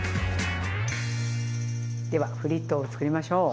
ではフリットをつくりましょう。